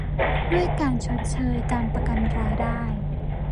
ด้วยการชดเชย การประกันรายได้